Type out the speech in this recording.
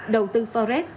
đầu tư forex